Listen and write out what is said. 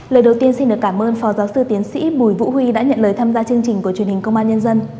lời đầu tiên xin được cảm ơn phó giáo sư tiến sĩ bùi vũ huy đã nhận lời tham gia chương trình của truyền hình công an nhân dân